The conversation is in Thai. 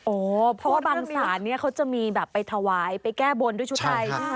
โอ้วบางศาลเขาจะมีไปทวายไปแก้บนด้วยชุดไทย